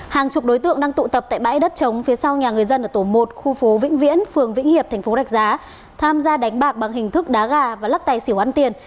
hàng chục đối tượng đang tụ tập tại bãi đất trống phía sau nhà người dân ở tổ một khu phố vĩnh viễn phường vĩnh hiệp thành phố rạch giá tham gia đánh bạc bằng hình thức đá gà và lắc tài xỉu ăn tiền